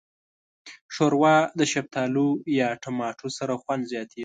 ښوروا د شفتالو یا ټماټو سره خوند زیاتیږي.